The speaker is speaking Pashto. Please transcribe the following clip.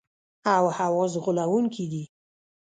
او حواس غولونکي دي.